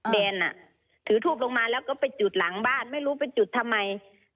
แดนถือทูบลงมาแล้วก็ไปจุดหลังบ้านไม่รู้ไปจุดทำไม